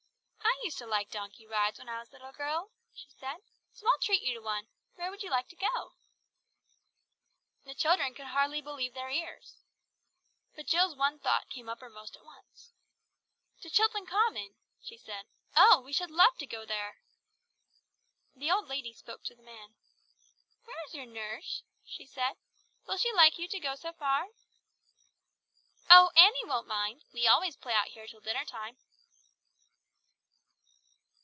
"I used to like donkey rides when I was a little girl," she said, "so I'll treat you to one. Where would you like to go?" The children could hardly believe their ears. But Jill's one thought came uppermost at once. "To Chilton Common," she said. "Oh! we should love to go there." The old lady spoke to the man. "Where is your nurse?" she said. "Will she like you to go so far?" "Oh, Annie won't mind. We always play out here till dinner time."